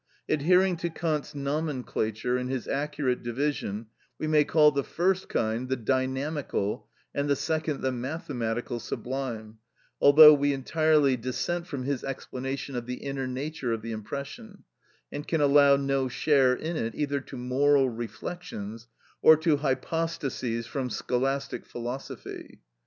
Adhering to Kant's nomenclature and his accurate division, we may call the first kind the dynamical, and the second the mathematical sublime, although we entirely dissent from his explanation of the inner nature of the impression, and can allow no share in it either to moral reflections, or to hypostases from scholastic philosophy.